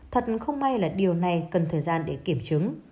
thật không may là điều này cần thời gian để kiểm chứng